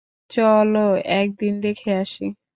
চল এক দিন দেখে আসি।